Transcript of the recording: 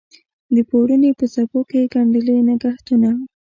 د پوړنې په څپو کې یې ګنډلي نګهتونه